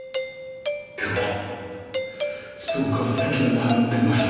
でもそこから先はなんの手もありません。